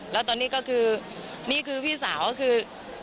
แล้วตอนนี้ก็คือนี่คือพี่สาวก็คือ